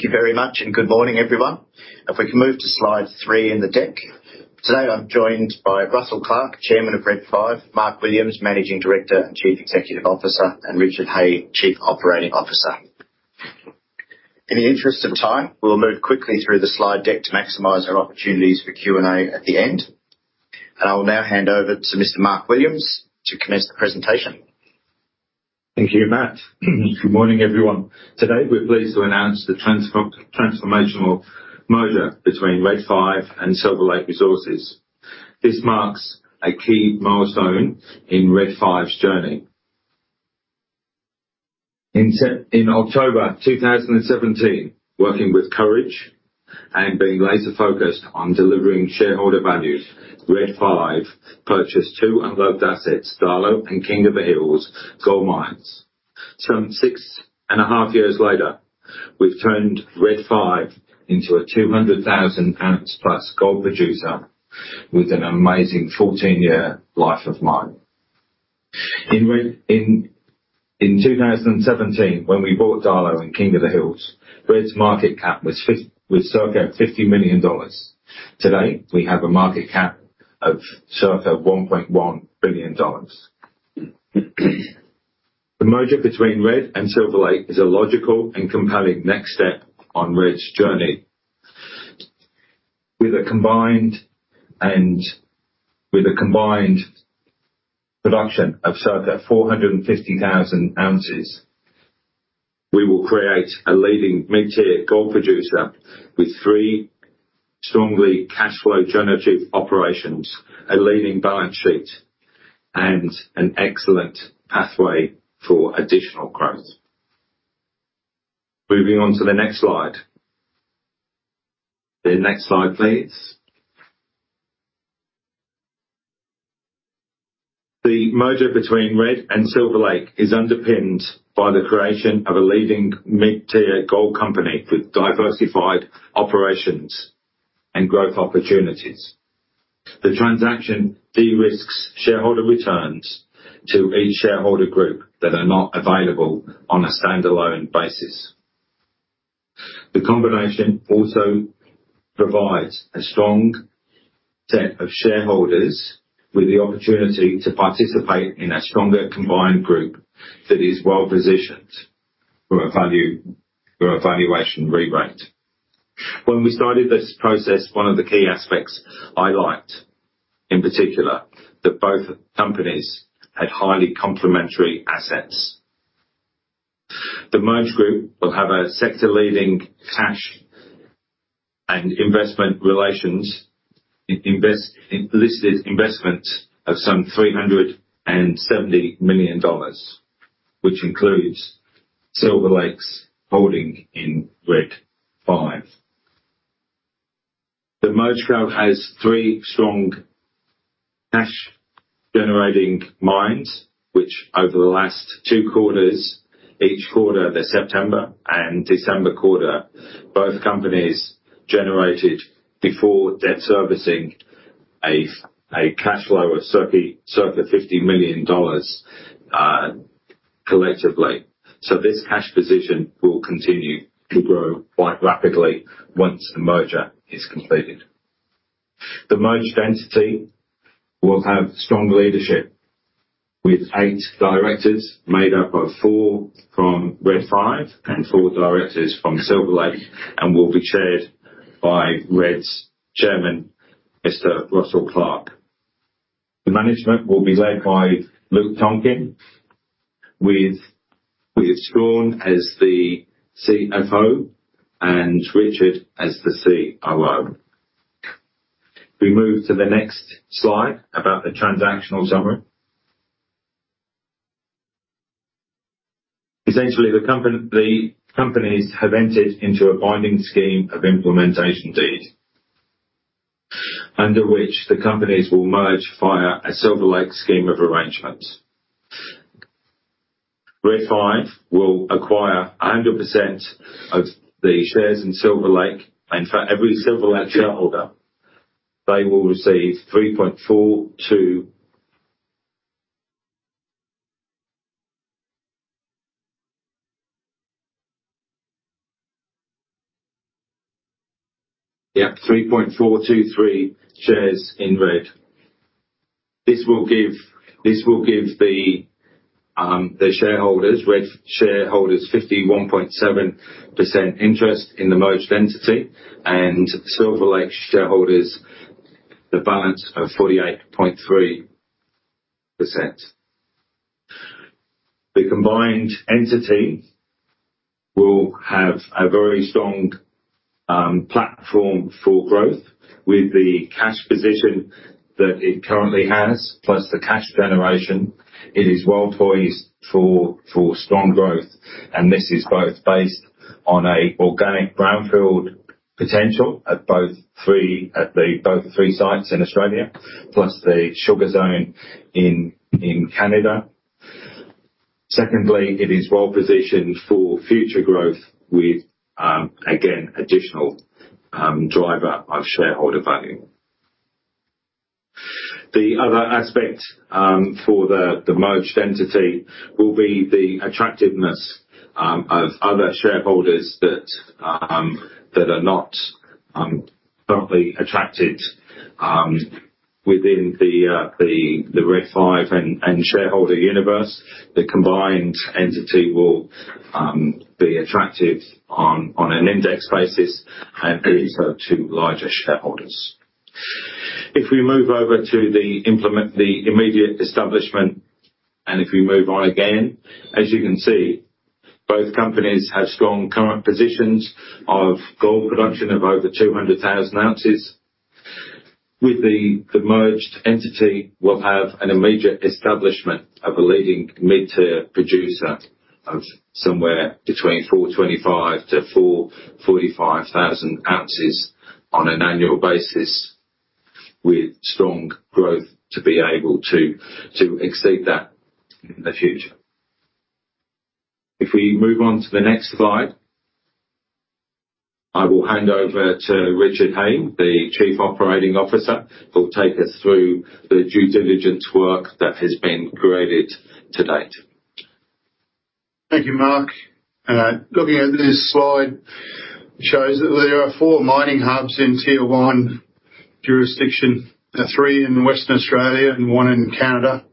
Thank you very much, and good morning, everyone. If we can move to slide three in the deck. Today, I'm joined by Russell Clark, Chairman of Red 5, Mark Williams, Managing Director and Chief Executive Officer, and Richard Hay, Chief Operating Officer. In the interest of time, we'll move quickly through the slide deck to maximize our opportunities for Q&A at the end. I will now hand over to Mr. Mark Williams to commence the presentation. Thank you, Matt. Good morning, everyone. Today, we're pleased to announce the transformational merger between Red 5 and Silver Lake Resources. This marks a key milestone in Red 5's journey. In October 2017, working with courage and being laser-focused on delivering shareholder value, Red 5 purchased two unloved assets, Darlot and King of the Hills gold mines. Some 6.5 years later, we've turned Red 5 into a 200,000-ounce+ gold producer with an amazing 14-year life of mine. In 2017, when we bought Darlot and King of the Hills, Red's market cap was circa 50 million dollars. Today, we have a market cap of circa 1.1 billion dollars. The merger between Red and Silver Lake is a logical and compelling next step on Red's journey. With a combined production of circa 450,000 ounces, we will create a leading mid-tier gold producer with three strongly cashflow-generative operations, a leading balance sheet, and an excellent pathway for additional growth. Moving on to the next slide. The next slide, please. The merger between Red and Silver Lake is underpinned by the creation of a leading mid-tier gold company with diversified operations and growth opportunities. The transaction de-risks shareholder returns to each shareholder group that are not available on a standalone basis. The combination also provides a strong set of shareholders with the opportunity to participate in a stronger combined group that is well positioned for a value, for a valuation rerate. When we started this process, one of the key aspects I liked, in particular, that both companies had highly complementary assets. The merged group will have a sector-leading cash and investment position in listed investments of some 370 million dollars, which includes Silver Lake's holding in Red 5. The merged group has three strong cash-generating mines, which over the last two quarters, each quarter, the September and December quarter, both companies generated before debt servicing, a cash flow of circa 50 million dollars collectively. So this cash position will continue to grow quite rapidly once the merger is completed. The merged entity will have strong leadership, with eight directors made up of four from Red 5 and four directors from Silver Lake, and will be chaired by Red's chairman, Mr. Russell Clark. The management will be led by Luke Tonkin, with Struan as the CFO and Richard as the COO. We move to the next slide about the transactional summary. Essentially, the companies have entered into a binding Scheme of Implementation Deed, under which the companies will merge via a Silver Lake Scheme of Arrangement. Red 5 will acquire 100% of the shares in Silver Lake, and for every Silver Lake shareholder, they will receive 3.423 shares in Red. This will give the Red shareholders 51.7% interest in the merged entity, and Silver Lake shareholders, the balance of 48.3%. The combined entity will have a very strong platform for growth. With the cash position that it currently has, plus the cash generation, it is well poised for strong growth, and this is both based on a organic brownfield potential at the three sites in Australia, plus the Sugar Zone in Canada. Secondly, it is well positioned for future growth with again additional driver of shareholder value. The other aspect for the merged entity will be the attractiveness of other shareholders that are not currently attracted within the Red 5 and shareholder universe. The combined entity will be attractive on an index basis and these are two larger shareholders. If we move over to the immediate establishment, and if we move on again, as you can see, both companies have strong current positions of gold production of over 200,000 ounces. With the merged entity, will have an immediate establishment of a leading mid-tier producer of somewhere between 425,000-445,000 ounces on an annual basis, with strong growth to be able to exceed that in the future. If we move on to the next slide, I will hand over to Richard Hay, the Chief Operating Officer. He'll take us through the due diligence work that has been created to date. Thank you, Mark. Looking at this slide shows that there are 4 mining hubs in Tier 1 jurisdictions, 3 in Western Australia and 1 in Canada.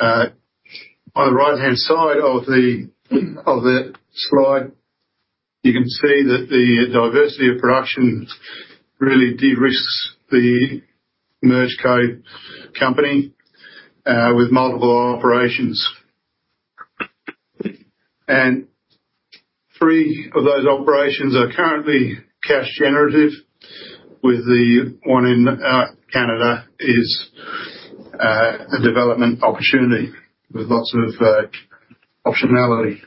On the right-hand side of the slide, you can see that the diversity of production really de-risks the merged company with multiple operations. Three of those operations are currently cash generative, with the one in Canada is a development opportunity with lots of optionality.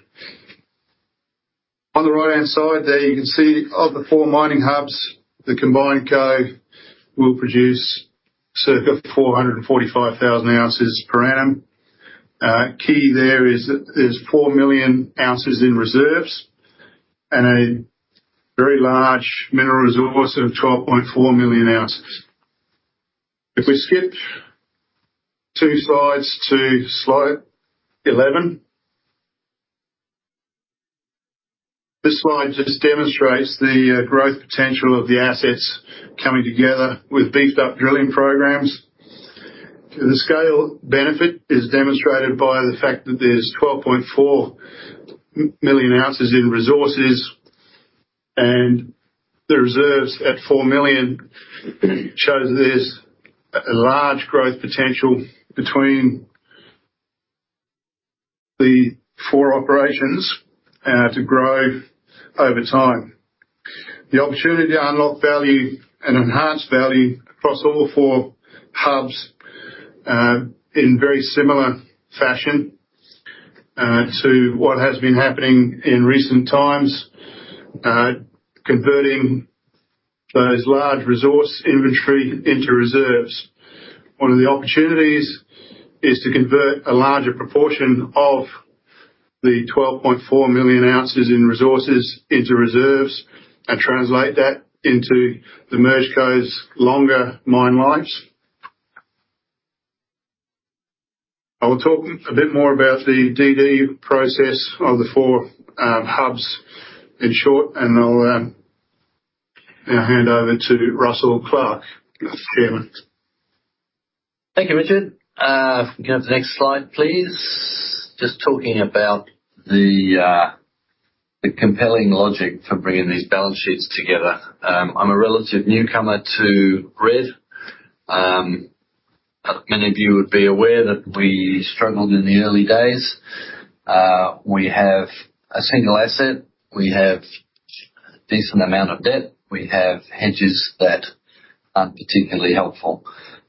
On the right-hand side there, you can see of the 4 mining hubs, the combined company will produce circa 445,000 ounces per annum. Key there is that there's 4 million ounces in reserves and a very large Mineral Resource of 12.4 million ounces. If we skip 2 slides to slide 11. This slide just demonstrates the growth potential of the assets coming together with beefed-up drilling programs. The scale benefit is demonstrated by the fact that there's 12.4 million ounces in resources, and the reserves at 4 million shows there's a large growth potential between the four operations to grow over time. The opportunity to unlock value and enhance value across all four hubs in very similar fashion to what has been happening in recent times converting those large resource inventory into reserves. One of the opportunities is to convert a larger proportion of the 12.4 million ounces in resources into reserves, and translate that into the MergedCo's longer mine lives. I will talk a bit more about the DD process of the four hubs in short, and I'll now hand over to Russell Clark, the chairman. Thank you, Richard. Go to the next slide, please. Just talking about the compelling logic for bringing these balance sheets together. I'm a relative newcomer to Red. As many of you would be aware, that we struggled in the early days. We have a single asset, we have decent amount of debt, we have hedges that aren't particularly helpful.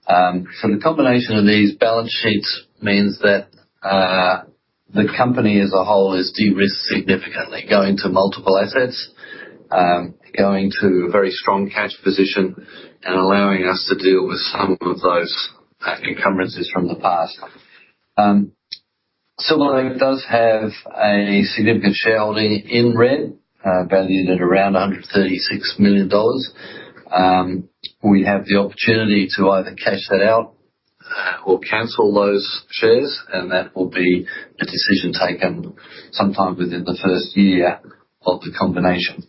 So the combination of these balance sheets means that the company as a whole is de-risked significantly, going to multiple assets, going to a very strong cash position, and allowing us to deal with some of those encumbrances from the past. Silver Lake does have a significant shareholding in Red, valued at around 136 million dollars. We have the opportunity to either cash that out, or cancel those shares, and that will be a decision taken sometime within the first year of the combination.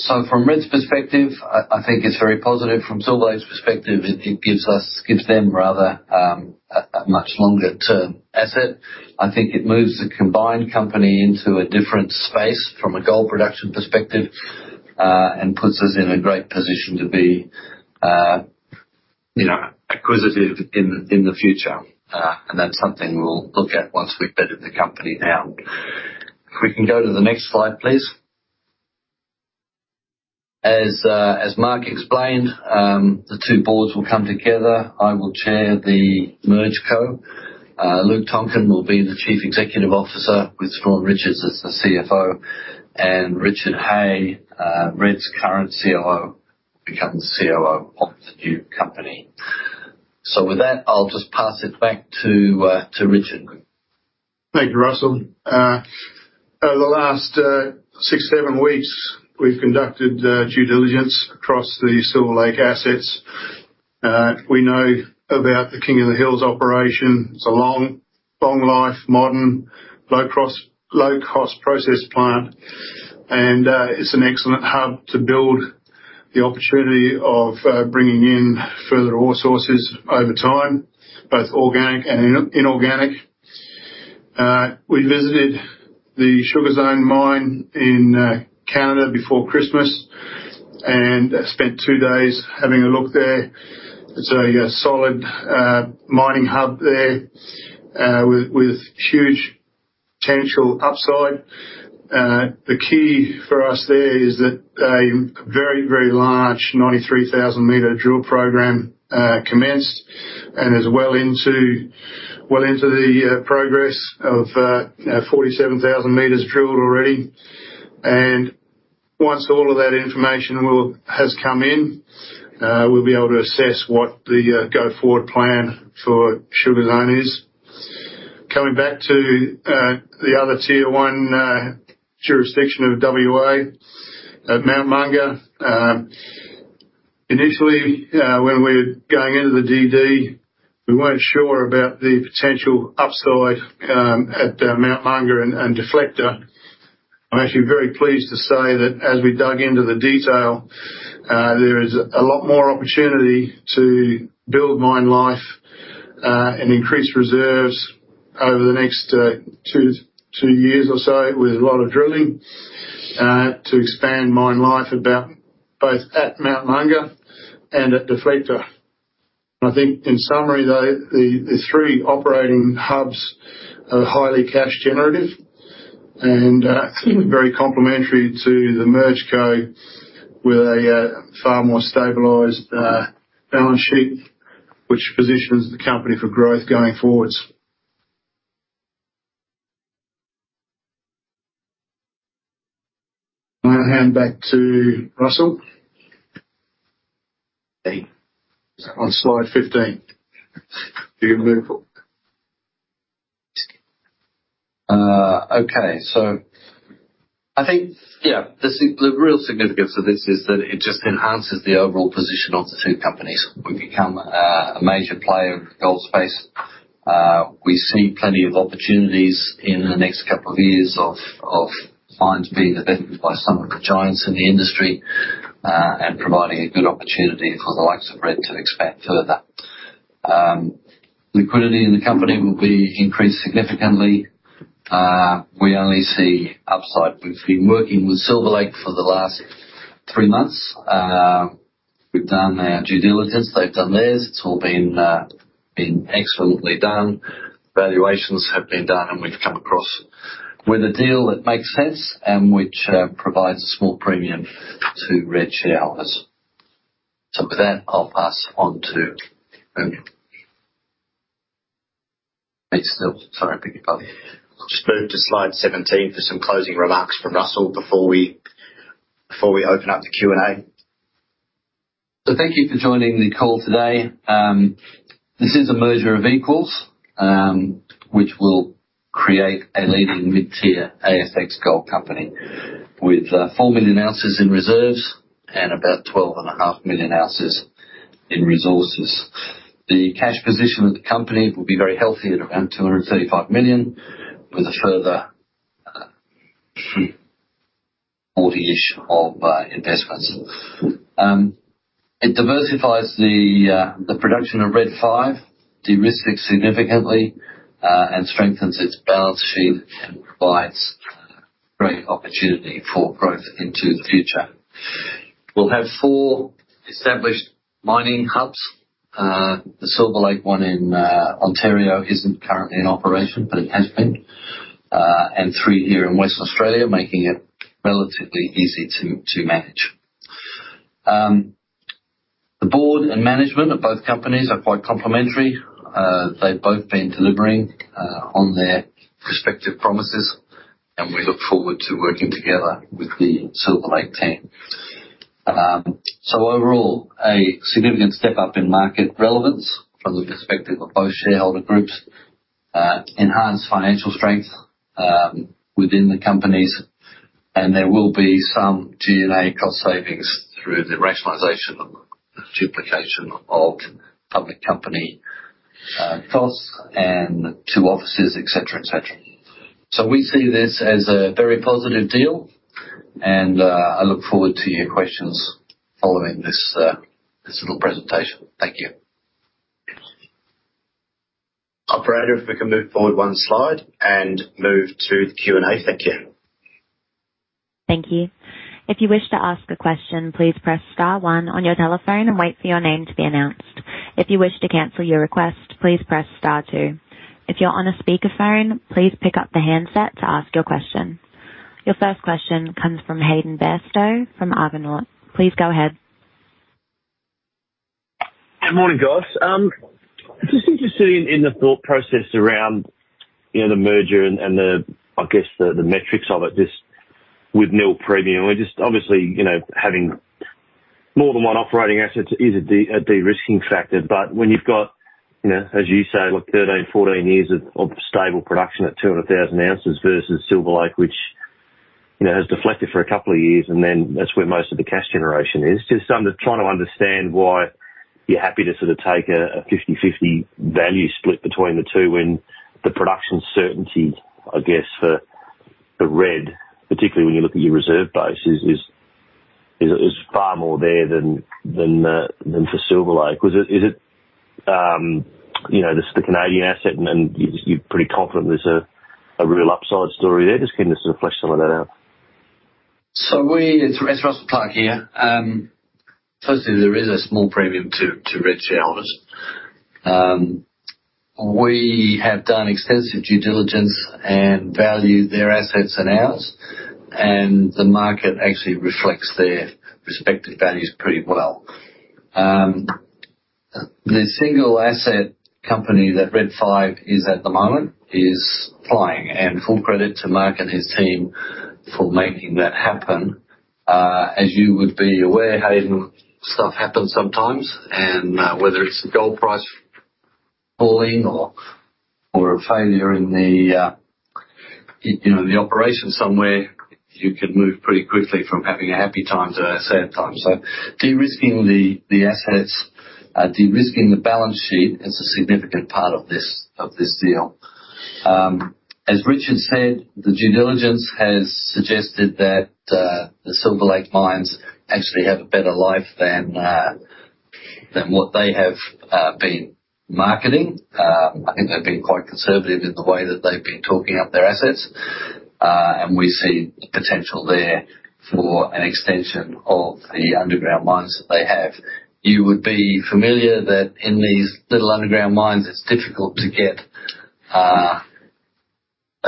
So from Red 5's perspective, I think it's very positive. From Silver Lake's perspective, it gives us, gives them rather, a much longer-term asset. I think it moves the combined company into a different space from a gold production perspective, and puts us in a great position to be, you know, acquisitive in the future. And that's something we'll look at once we've bedded the company down. If we can go to the next slide, please. As Mark explained, the two boards will come together. I will chair the MergeCo. Luke Tonkin will be the Chief Executive Officer, with Struan Richards as the CFO, and Richard Hay, Red 5's current COO, becomes COO of the new company. So with that, I'll just pass it back to Richard. Thank you, Russell. Over the last 6-7 weeks, we've conducted due diligence across the Silver Lake assets. We know about the King of the Hills operation. It's a long, long life, modern, low-cost process plant, and it's an excellent hub to build the opportunity of bringing in further ore sources over time, both organic and inorganic. We visited the Sugar Zone mine in Canada before Christmas and spent two days having a look there. It's a solid mining hub there with huge potential upside. The key for us there is that a very, very large 93,000-meter drill program commenced, and is well into the progress of 47,000 meters drilled already. Once all of that information has come in, we'll be able to assess what the go forward plan for Sugar Zone is. Coming back to the other Tier 1 jurisdiction of WA, at Mount Monger. Initially, when we were going into the DD, we weren't sure about the potential upside at Mount Monger and Deflector. I'm actually very pleased to say that as we dug into the detail, there is a lot more opportunity to build mine life and increase reserves over the next two years or so, with a lot of drilling to expand mine life at both Mount Monger and Deflector. I think in summary, though, the three operating hubs are highly cash generative and very complementary to the MergeCo with a far more stabilized balance sheet, which positions the company for growth going forwards. I'm gonna hand back to Russell. On slide 15. You can move on. Okay. So I think, yeah, the real significance of this is that it just enhances the overall position of the two companies. We've become a major player in the gold space. We see plenty of opportunities in the next couple of years of mines being developed by some of the giants in the industry and providing a good opportunity for the likes of Red to expand further. Liquidity in the company will be increased significantly. We only see upside. We've been working with Silver Lake for the last three months. We've done our due diligence, they've done theirs. It's all been excellently done. Valuations have been done, and we've come across with a deal that makes sense and which provides a small premium to Red shareholders. So with that, I'll pass on to... It's still... Sorry, I beg your pardon. Just move to slide 17 for some closing remarks from Russell before we open up the Q&A. Thank you for joining the call today. This is a merger of equals, which will create a leading mid-tier ASX gold company with 4 million ounces in reserves and about 12.5 million ounces in resources. The cash position of the company will be very healthy at around 235 million, with a further 40-ish million of investments. It diversifies the production of Red 5, derisks it significantly, and strengthens its balance sheet, and provides great opportunity for growth into the future. We'll have four established mining hubs. The Silver Lake one in Ontario isn't currently in operation, but it has been, and three here in Western Australia, making it relatively easy to manage. The board and management of both companies are quite complementary. They've both been delivering on their respective promises, and we look forward to working together with the Silver Lake team. So overall, a significant step up in market relevance from the perspective of both shareholder groups, enhanced financial strength within the companies, and there will be some G&A cost savings through the rationalization of the duplication of public company costs and two offices, et cetera, et cetera. So we see this as a very positive deal, and I look forward to your questions following this little presentation. Thank you. Operator, if we can move forward 1 slide and move to the Q&A. Thank you. Thank you. If you wish to ask a question, please press star one on your telephone and wait for your name to be announced. If you wish to cancel your request, please press star two. If you're on a speakerphone, please pick up the handset to ask your question. Your first question comes from Hayden Bairstow from Argonaut. Please go ahead. Good morning, guys. Just interested in, in the thought process around, you know, the merger and, and the... I guess the, the metrics of it, with merger premium. We're just obviously, you know, having more than one operating asset is a de-risking factor. But when you've got, you know, as you say, like, 13, 14 years of stable production at 200,000 ounces versus Silver Lake, which, you know, has Deflector for a couple of years, and then that's where most of the cash generation is. Just trying to understand why you're happy to sort of take a 50/50 value split between the two, when the production certainty, I guess, for Red, particularly when you look at your reserve base, is far more there than for Silver Lake. Is it, you know, just the Canadian asset and you're pretty confident there's a real upside story there? Can you just sort of flesh some of that out? It's Russell Clark here. Firstly, there is a small premium to Red 5 shareholders. We have done extensive due diligence and valued their assets and ours, and the market actually reflects their respective values pretty well. The single asset company that Red 5 is at the moment is flying. And full credit to Mark and his team for making that happen. As you would be aware, Hayden, stuff happens sometimes, and whether it's the gold price falling or a failure in the you know the operation somewhere, you can move pretty quickly from having a happy time to a sad time. So de-risking the assets, de-risking the balance sheet is a significant part of this deal. As Richard said, the due diligence has suggested that the Silver Lake mines actually have a better life than what they have been marketing. I think they've been quite conservative in the way that they've been talking up their assets. And we see potential there for an extension of the underground mines that they have. You would be familiar that in these little underground mines, it's difficult to get a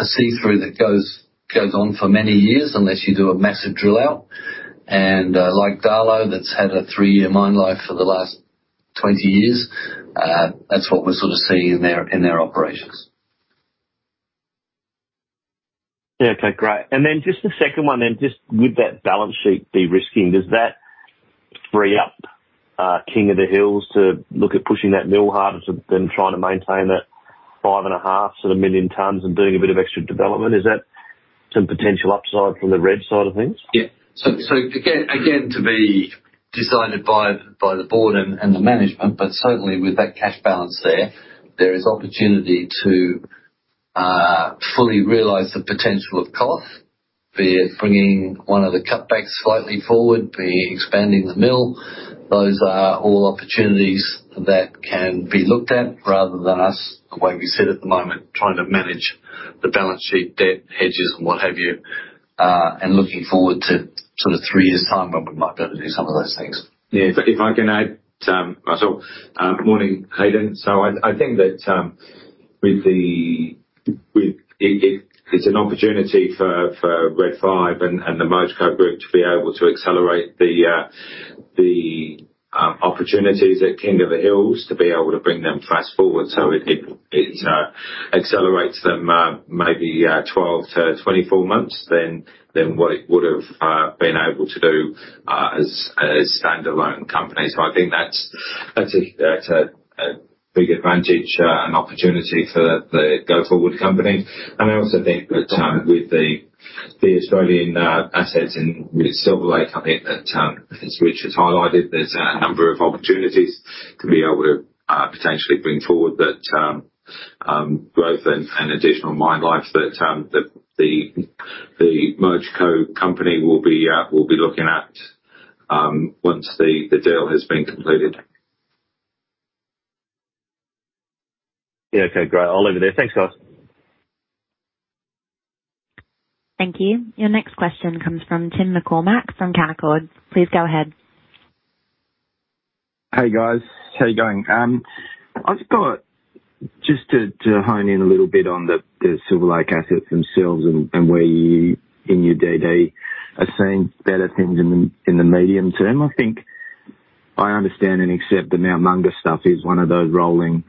see-through that goes on for many years unless you do a massive drill out. And, like Darlot, that's had a 3-year mine life for the last 20 years. That's what we're sort of seeing in their operations. Yeah. Okay, great. And then just the second one then, just with that balance sheet de-risking, does that free up, King of the Hills to look at pushing that mill harder than trying to maintain that 5.5 sort of million tons and doing a bit of extra development? Is that some potential upside from the Red side of things? Yeah. So again, to be decided by the board and the management, but certainly with that cash balance there, there is opportunity to fully realize the potential of cost, be it bringing one of the cutbacks slightly forward, be it expanding the mill. Those are all opportunities that can be looked at, rather than us, the way we sit at the moment, trying to manage the balance sheet, debt, hedges, and what have you, and looking forward to sort of three years' time when we might be able to do some of those things. Yeah. If I can add, Russell. Morning, Hayden. So I think that with it, it's an opportunity for Red 5 and the MergeCo group to be able to accelerate the opportunities at King of the Hills, to be able to bring them fast forward. So it accelerates them maybe 12-24 months than what it would've been able to do as standalone companies. So I think that's a big advantage and opportunity for the go-forward company. I also think that with the Australian assets and with Silver Lake, I think that as Richard's highlighted, there's a number of opportunities to be able to potentially bring forward that growth and additional mine life that the MergeCo company will be looking at once the deal has been concluded. Yeah. Okay, great. I'll leave it there. Thanks, guys. Thank you. Your next question comes from Tim McCormack from Canaccord. Please go ahead. Hey, guys. How you doing? Just to hone in a little bit on the Silver Lake assets themselves and where you, in your DD, are seeing better things in the medium term. I think I understand and accept the Mount Monger stuff is one of those rolling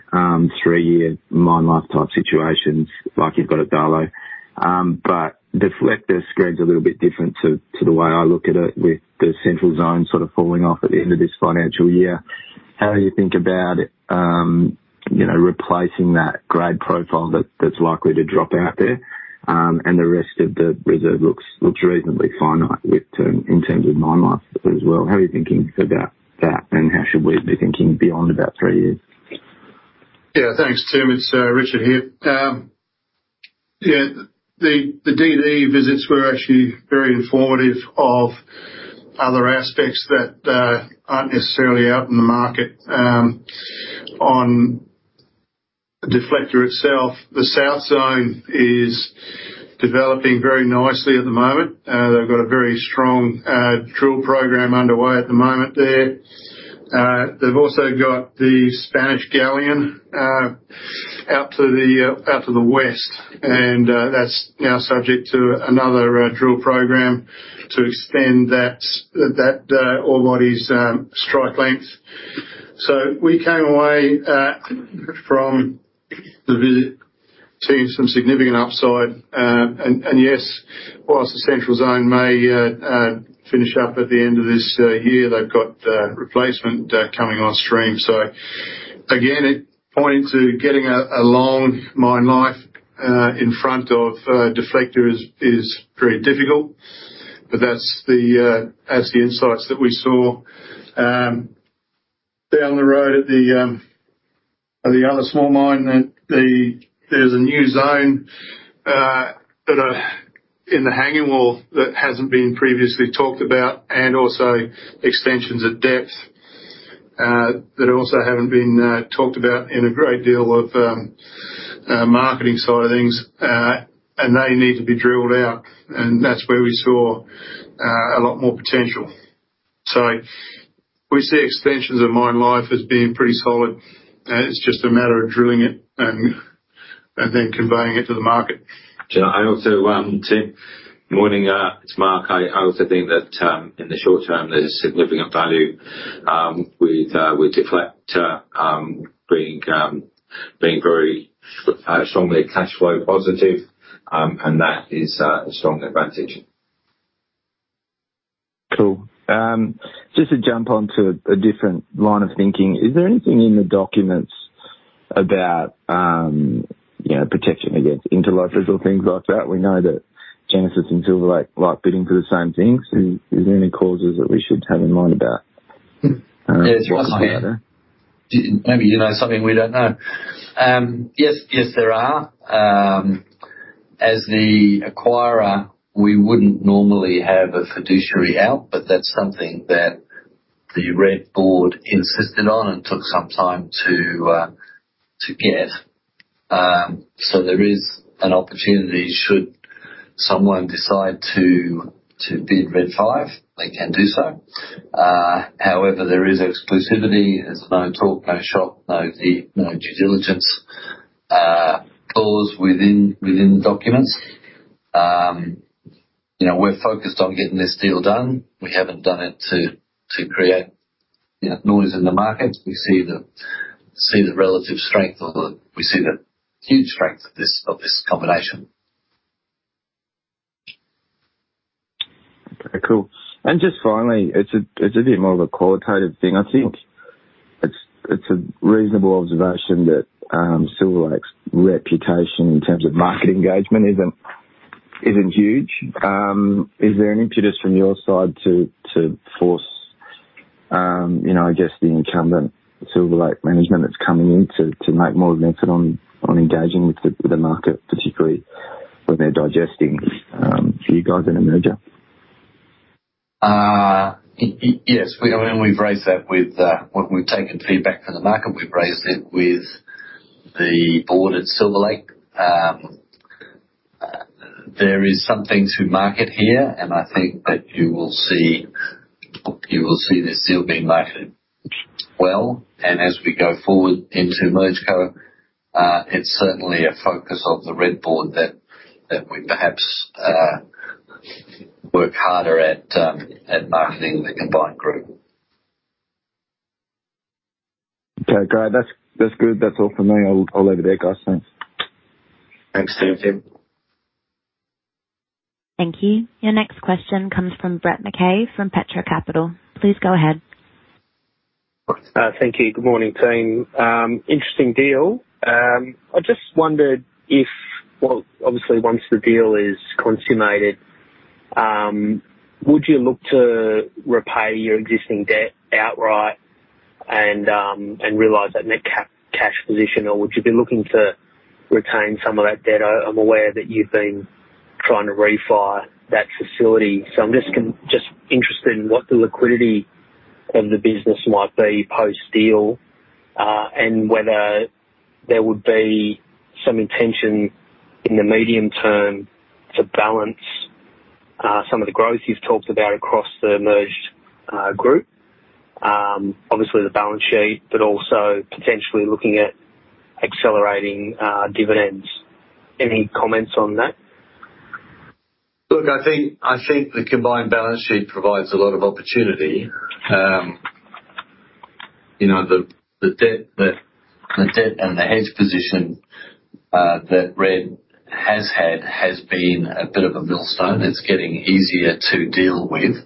three-year mine life type situations, like you've got at Darlot. But Deflector's spread a little bit different to the way I look at it, with the Central Zone sort of falling off at the end of this financial year. How do you think about, you know, replacing that grade profile that's likely to drop out there? And the rest of the reserve looks reasonably finite with term, in terms of mine life as well. How are you thinking about that, and how should we be thinking beyond about three years? Yeah. Thanks, Tim. It's Richard here. The DD visits were actually very informative of other aspects that aren't necessarily out in the market. On Deflector itself, the South Zone is developing very nicely at the moment. They've got a very strong drill program underway at the moment there. They've also got the Spanish Galleon out to the west, and that's now subject to another drill program to extend that ore body's strike length. So we came away from the visit seeing some significant upside. And yes, whilst the Central Zone may finish up at the end of this year, they've got replacement coming on stream. So again, it points to getting a long mine life in front of Deflector is very difficult, but that's the insights that we saw. Down the road at the other small mine, there's a new zone that in the hanging wall that hasn't been previously talked about, and also extensions at depth that also haven't been talked about in a great deal of marketing side of things. And they need to be drilled out, and that's where we saw a lot more potential. So we see extensions of mine life as being pretty solid, and it's just a matter of drilling it and then conveying it to the market. I also, Tim, morning, it's Mark. I also think that in the short term, there's significant value with Deflector being very strongly cashflow positive, and that is a strong advantage. Cool. Just to jump onto a different line of thinking, is there anything in the documents about, you know, protection against interlopers or things like that? We know that Genesis and Silver Lake like bidding for the same things. Is there any clauses that we should have in mind about? Yes, maybe you know something we don't know. Yes, yes, there are. As the acquirer, we wouldn't normally have a fiduciary out, but that's something that the Red 5 board insisted on and took some time to get. So there is an opportunity, should someone decide to bid Red 5, they can do so. However, there is exclusivity. There's no talk, no shop, no due diligence clause within the documents. You know, we're focused on getting this deal done. We haven't done it to create, you know, noise in the market. We see the relative strength or the... We see the huge strength of this combination. Okay, cool. And just finally, it's a bit more of a qualitative thing. I think it's a reasonable observation that Silver Lake's reputation in terms of market engagement isn't huge. Is there any impetus from your side to force, you know, I guess, the incumbent Silver Lake management that's coming in to make more of an effort on engaging with the market, particularly when they're digesting you guys in a merger? Yes, we, and we've raised that with, when we've taken feedback from the market, we've raised it with the board at Silver Lake. There is some things to market here, and I think that you will see this deal being marketed well. And as we go forward into MergeCo, it's certainly a focus of the Red board that we perhaps, work harder at, at marketing the combined group. Okay, great. That's good. That's all for me. I'll leave it there, guys. Thanks. Thanks, Tim. Thank you. Your next question comes from Brett McKay, from Petra Capital. Please go ahead. Thank you. Good morning, team. Interesting deal. I just wondered if, well, obviously, once the deal is consummated, would you look to repay your existing debt outright and realize that net cash position, or would you be looking to retain some of that debt? I'm aware that you've been trying to refi that facility, so I'm just interested in what the liquidity of the business might be post-deal, and whether there would be some intention in the medium term to balance some of the growth you've talked about across the merged group. Obviously, the balance sheet, but also potentially looking at accelerating dividends. Any comments on that? Look, I think, I think the combined balance sheet provides a lot of opportunity. You know, the debt and the hedge position that Red has had has been a bit of a millstone. It's getting easier to deal with.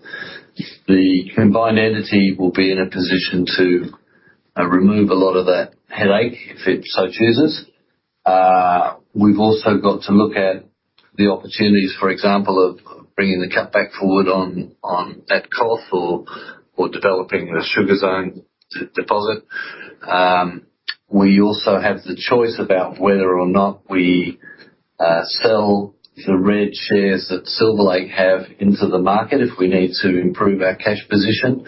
The combined entity will be in a position to remove a lot of that headache, if it so chooses. We've also got to look at the opportunities, for example, of bringing the cutback forward on at cost or developing the Sugar Zone deposit. We also have the choice about whether or not we sell the Red shares that Silver Lake have into the market, if we need to improve our cash position.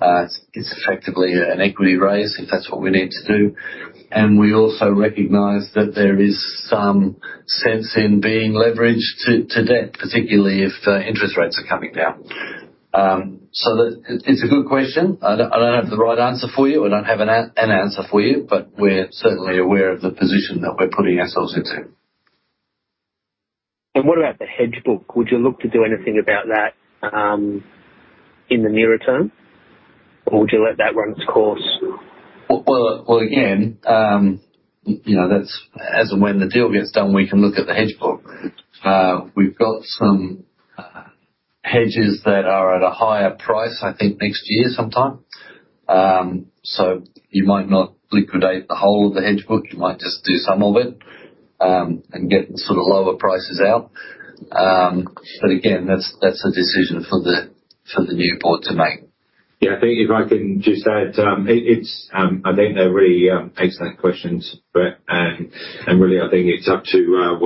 It's effectively an equity raise, if that's what we need to do. And we also recognize that there is some sense in being leveraged to debt, particularly if interest rates are coming down. So that... It's a good question. I don't, I don't have the right answer for you. I don't have an, an answer for you, but we're certainly aware of the position that we're putting ourselves into. What about the hedge book? Would you look to do anything about that, in the nearer term, or would you let that run its course? Well, well, again, you know, that's as and when the deal gets done, we can look at the hedge book. We've got some hedges that are at a higher price, I think next year sometime. So you might not liquidate the whole of the hedge book. You might just do some of it, and get the sort of lower prices out. But again, that's, that's a decision for the, for the new board to make. Yeah, I think if I can just add, it's, I think they're really excellent questions, Brett. And really, I think it's up to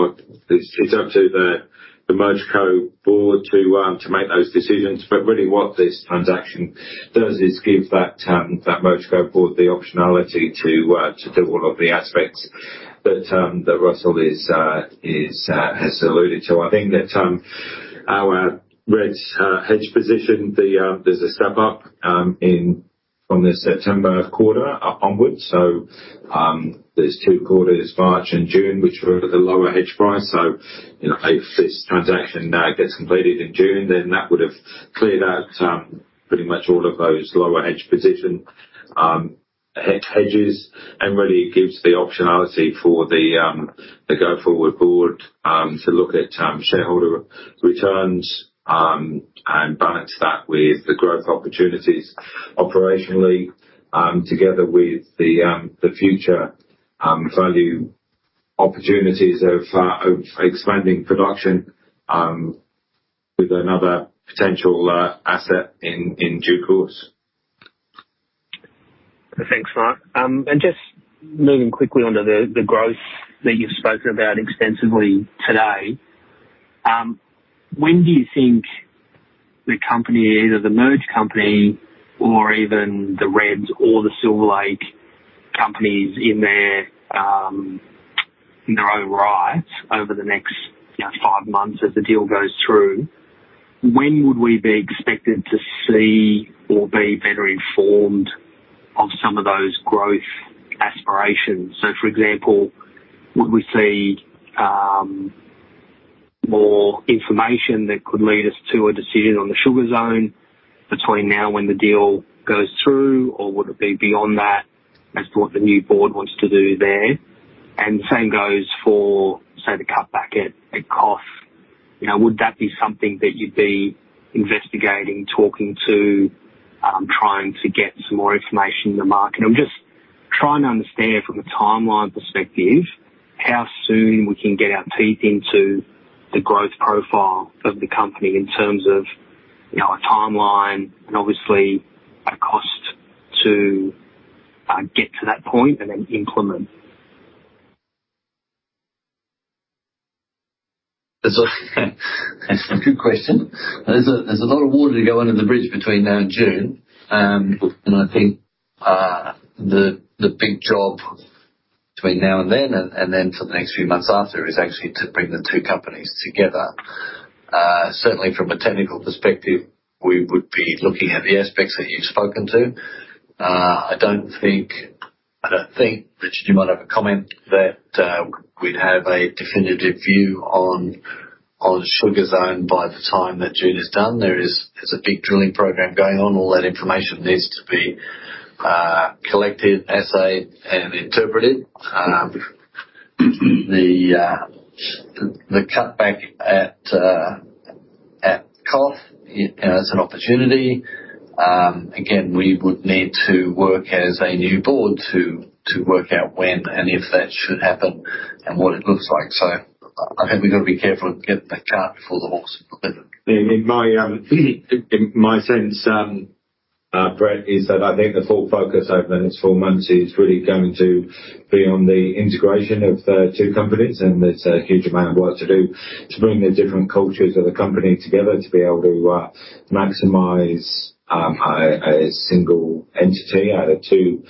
the MergeCo board to make those decisions. But really, what this transaction does is give that MergeCo board the optionality to do all of the aspects that Russell has alluded to. I think that our Red 5's hedge position, there's a step up in from the September quarter onwards. So, there's two quarters, March and June, which were at the lower hedge price. So, you know, if this transaction now gets completed in June, then that would have cleared out pretty much all of those lower hedge position hedges and really gives the optionality for the go-forward board to look at shareholder returns and balance that with the growth opportunities operationally together with the future value opportunities of expanding production with another potential asset in due course. Thanks, Mark. And just moving quickly on to the growth that you've spoken about extensively today. When do you think the company, either the merged company or even the Reds or the Silver Lake companies in their own right over the next, you know, five months as the deal goes through, when would we be expected to see or be better informed of some of those growth aspirations? So, for example, would we see more information that could lead us to a decision on the Sugar Zone between now and when the deal goes through? Or would it be beyond that as to what the new board wants to do there? And the same goes for, say, the cutback at KOTH. You know, would that be something that you'd be investigating, talking to, trying to get some more information in the market? I'm just trying to understand from a timeline perspective, how soon we can get our teeth into the growth profile of the company in terms of, you know, a timeline and obviously a cost to get to that point and then implement. That's a good question. There's a lot of water to go under the bridge between now and June. And I think the big job between now and then and then for the next few months after is actually to bring the two companies together. Certainly from a technical perspective, we would be looking at the aspects that you've spoken to. I don't think, Richard, you might have a comment that we'd have a definitive view on Sugar Zone by the time that June is done. There's a big drilling program going on. All that information needs to be collected, assayed, and interpreted. The cutback at KOTH, you know, is an opportunity. Again, we would need to work as a new board to work out when and if that should happen and what it looks like. So I think we've got to be careful and get the cart before the horse. In my sense, Brett, is that I think the full focus over the next four months is really going to be on the integration of the two companies. And there's a huge amount of work to do to bring the different cultures of the company together to be able to maximize a single entity out of two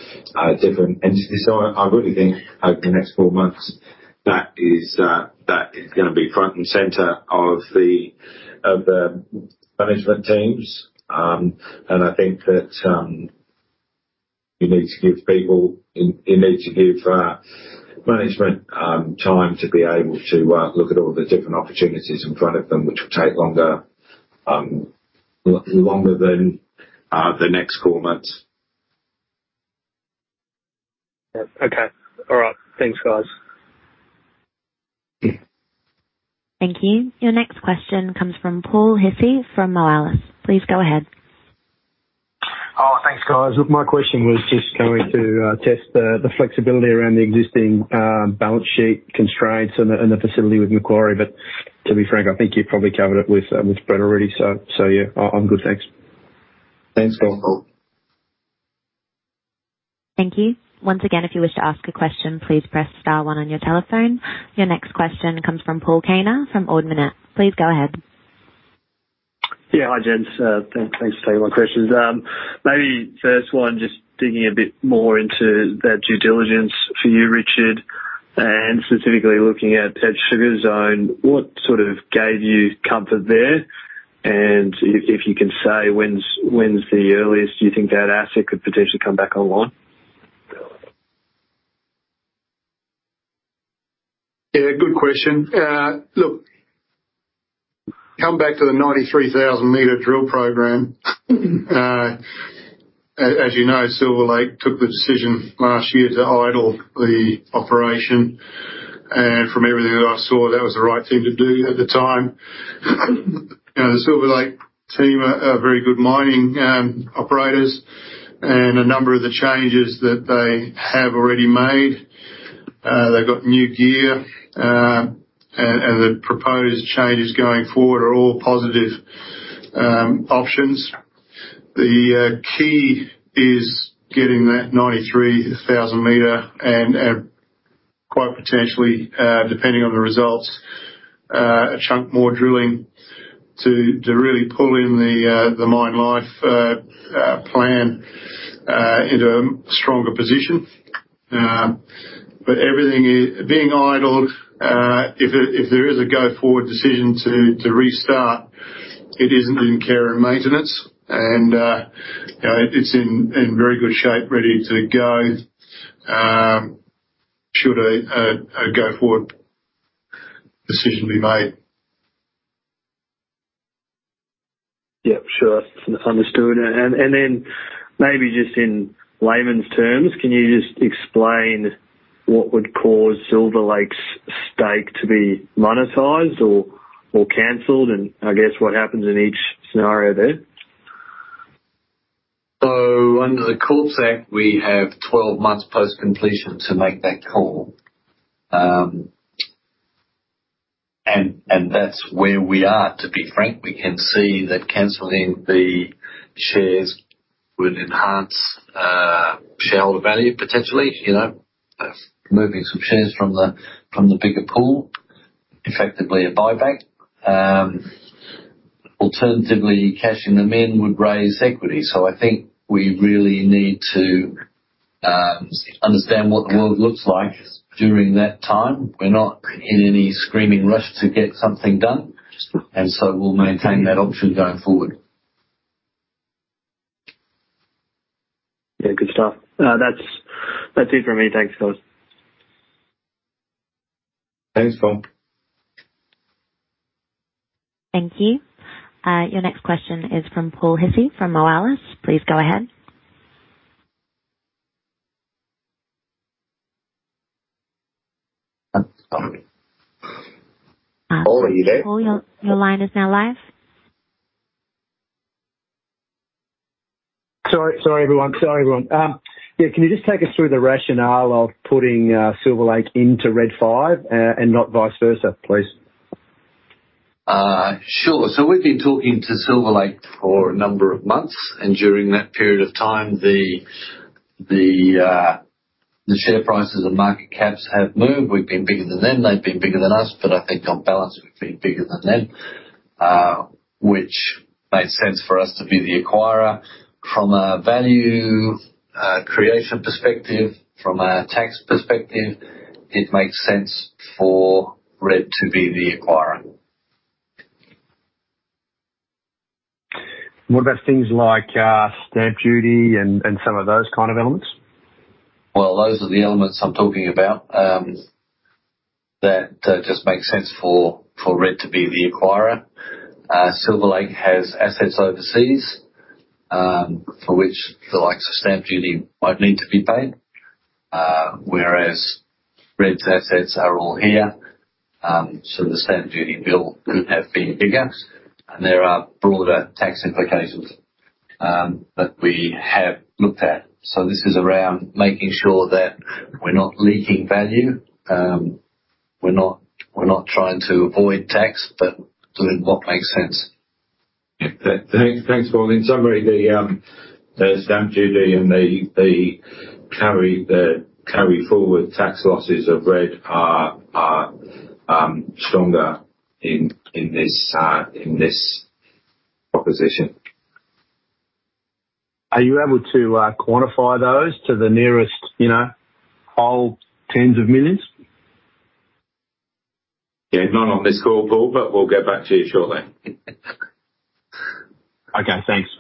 different entities. So I really think over the next four months, that is gonna be front and center of the management teams. And I think that you need to give people... you need to give management time to be able to look at all the different opportunities in front of them, which will take longer, longer than the next four months. Yep. Okay. All right. Thanks, guys. Thank you. Your next question comes from Paul Hissey from Moelis. Please go ahead. Oh, thanks, guys. Look, my question was just going to test the flexibility around the existing balance sheet constraints and the facility with Macquarie, but to be frank, I think you've probably covered it with Brett already. So yeah, I'm good, thanks. Thanks, Paul. Thank you. Once again, if you wish to ask a question, please press star one on your telephone. Your next question comes from Paul Kaner from Ord Minnett. Please go ahead. Yeah. Hi, gents. Thanks for taking my questions. Maybe first one, just digging a bit more into that due diligence for you, Richard, and specifically looking at Sugar Zone, what sort of gave you comfort there? And if you can say, when's the earliest you think that asset could potentially come back online? Yeah, good question. Look, come back to the 93,000-meter drill program. As you know, Silver Lake took the decision last year to idle the operation, and from everything that I saw, that was the right thing to do at the time. You know, the Silver Lake team are very good mining operators, and a number of the changes that they have already made. They've got new gear. And the proposed changes going forward are all positive options. The key is getting that 93,000-meter and quite potentially, depending on the results, a chunk more drilling to really pull in the mine life plan into a stronger position. But everything is being idled, if there is a go-forward decision to restart, it isn't in care and maintenance, and you know, it's in very good shape, ready to go, should a go-forward decision be made. Yep, sure. Understood. And, and then maybe just in layman's terms, can you just explain what would cause Silver Lake's stake to be monetized or, or canceled? And I guess what happens in each scenario there? So under the Corporations Act, we have 12 months post-completion to make that call. And that's where we are, to be frank. We can see that canceling the shares would enhance shareholder value, potentially. You know, removing some shares from the bigger pool, effectively a buyback. Alternatively, cashing them in would raise equity. So I think we really need to understand what the world looks like during that time. We're not in any screaming rush to get something done, and so we'll maintain that option going forward. Yeah. Good stuff. That's, that's it for me. Thanks, guys. Thanks, Paul. Thank you. Your next question is from Paul Hissey, from Moelis. Please go ahead. Paul, are you there? Paul, your line is now live. Sorry, everyone. Can you just take us through the rationale of putting Silver Lake into Red 5, and not vice versa, please? Sure. So we've been talking to Silver Lake for a number of months, and during that period of time, the share prices and market caps have moved. We've been bigger than them, they've been bigger than us, but I think on balance, we've been bigger than them. Which made sense for us to be the acquirer. From a value creation perspective, from a tax perspective, it makes sense for Red to be the acquirer. What about things like stamp duty and some of those kind of elements? Well, those are the elements I'm talking about that just make sense for Red to be the acquirer. Silver Lake has assets overseas for which the likes of stamp duty won't need to be paid, whereas Red's assets are all here. So the stamp duty bill could have been bigger, and there are broader tax implications that we have looked at. So this is around making sure that we're not leaking value. We're not trying to avoid tax, but doing what makes sense. Yeah. Thanks, Paul. In summary, the stamp duty and the carry forward tax losses of Red are stronger in this proposition. Are you able to quantify those to the nearest, you know, whole tens of millions? Yeah, not on this call, Paul, but we'll get back to you shortly. Okay. Thanks.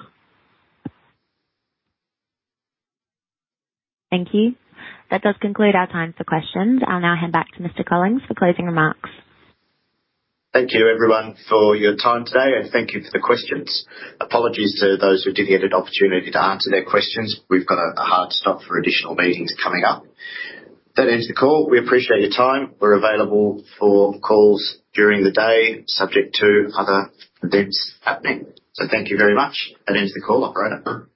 Thank you. That does conclude our time for questions. I'll now hand back to Mr. Collings for closing remarks. Thank you, everyone, for your time today, and thank you for the questions. Apologies to those we didn't get an opportunity to answer their questions. We've got a hard stop for additional meetings coming up. That ends the call. We appreciate your time. We're available for calls during the day, subject to other events happening. So thank you very much. That ends the call, operator.